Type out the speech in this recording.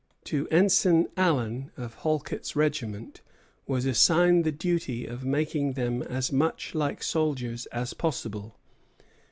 To Ensign Allen of Halket's regiment was assigned the duty of "making them as much like soldiers as possible."